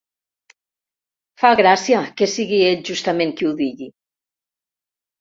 Fa gràcia que sigui ell justament qui ho digui.